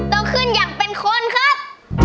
โตขึ้นอย่างเป็นคนครับ